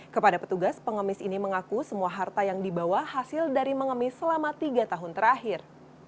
kepada petugas pengemis ini mengaku semua harta yang dibawa hasil dari mengemis selama tiga tahun terakhir